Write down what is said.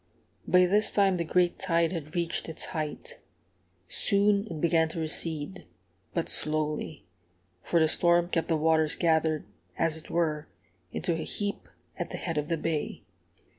By this time the great tide had reached its height. Soon it began to recede, but slowly, for the storm kept the waters gathered, as it were, into a heap at the head of the bay.